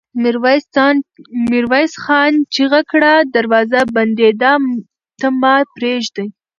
ميرويس خان چيغه کړه! دروازه بندېدا ته مه پرېږدئ!